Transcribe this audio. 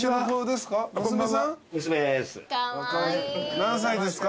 何歳ですか？